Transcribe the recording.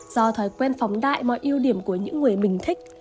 do thói quen phóng đại mọi ưu điểm của những người mình thích